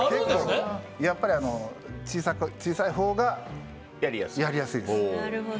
やっぱり、小さいほうがやりやすいです。